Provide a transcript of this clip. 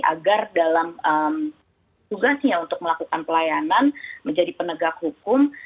agar dalam tugasnya untuk melakukan pelayanan menjadi penegak hukum